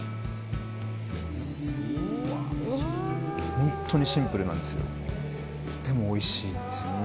ホントにシンプルなんですよでもおいしいんですよ。